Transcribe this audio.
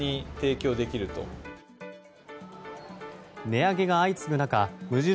値上げが相次ぐ中無印